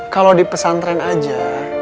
kalau di pesantren aja